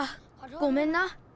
ごめんな。